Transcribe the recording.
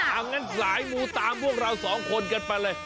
เอางั้นสายมูตามพวกเราสองคนกันไปเลย